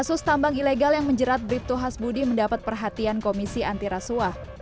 kasus tambang ilegal yang menjerat brip tu has budi mendapat perhatian komisi antirasuah